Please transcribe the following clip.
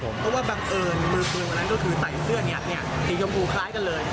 เพราะว่าบังเอิญมือปืนคนนั้นก็คือใส่เสื้อสีชมพูคล้ายกันเลย